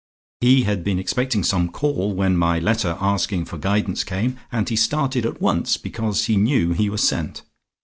He had been expecting some call when my letter asking for guidance came, and he started at once because he knew he was sent.